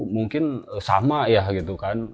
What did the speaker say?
mungkin sama ya gitu kan